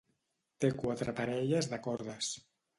Té quatre parelles de cordes.